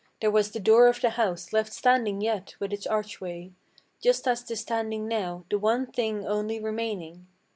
There was the door of the house left standing yet with its archway, Just as 'tis standing now, the one thing only remaining.